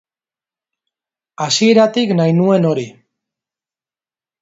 Hasieratik nahi nuen hori.